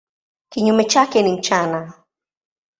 Kinyume chake ni mchana.